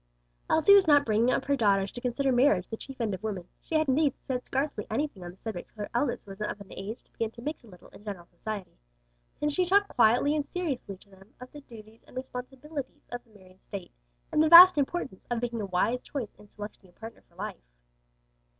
Elsie was not bringing up her daughters to consider marriage the chief end of woman; she had, indeed, said scarcely anything on the subject till her eldest was of an age to begin to mix a little in general society; then she talked quietly and seriously to them of the duties and responsibilities of the married state and the vast importance of making a wise choice in selecting a partner for life.